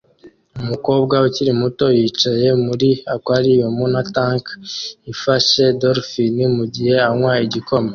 Umukobwa ukiri muto yicaye muri aquarium na tank ifashe dolphine mugihe anywa igikombe